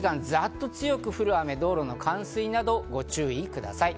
短い時間にザッと強く降る雨、道路の冠水などにご注意ください。